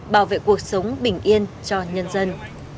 bảo vệ cuộc sống bình yên cho nhân dân